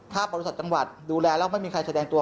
ถ้าปราสุทธิ์สัตว์จังหวัดดูแลแล้วไม่มีใครแสดงตัว